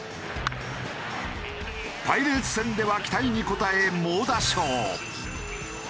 パイレーツ戦では期待に応え猛打賞。